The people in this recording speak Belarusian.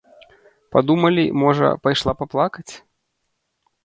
Падумалі, можа, пайшла паплакаць.